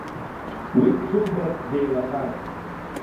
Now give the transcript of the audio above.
Уи дшылбац деилаҳәан.